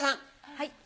はい。